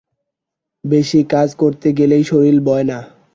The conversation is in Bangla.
বেশী কাজ করতে গেলেই শরীর বয় না।